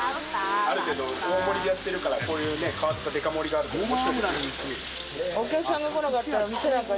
ある程度、大盛りでやってるから、こういう変わったデカ盛りが。